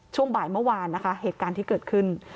ช่วงบ่ายเมื่อวานนะคะเหตุการณ์ที่เกิดขึ้น